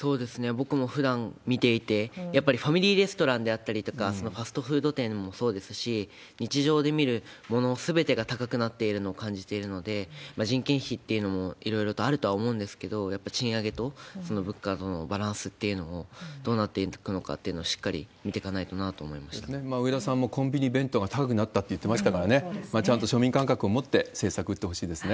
僕もふだん見ていて、やっぱりファミリーレストランであったりとか、ファストフード店もそうですし、日常で見るものすべてが高くなっているのを感じているので、人件費っていうのもいろいろとあるとは思うんですけれども、やっぱり賃上げと物価とのバランスっていうのを、どうなっていくのかというのをしっかり見ていかないとなと思いま植田さんもコンビニ弁当が高くなったと言っていましたからね、ちゃんと庶民感覚を持って政策打ってほしいですね。